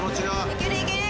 いけるいける。